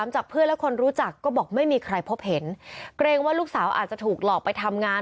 จากเพื่อนและคนรู้จักก็บอกไม่มีใครพบเห็นเกรงว่าลูกสาวอาจจะถูกหลอกไปทำงาน